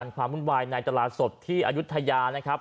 มีบางความบุญบายในตลาดสดที่ออยุธยานะครับ